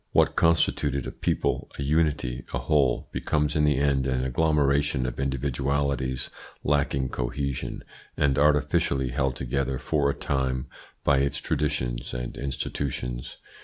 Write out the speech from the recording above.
What constituted a people, a unity, a whole, becomes in the end an agglomeration of individualities lacking cohesion, and artificially held together for a time by its traditions and institutions.